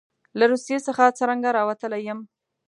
له روسیې څخه څرنګه راوتلی یم.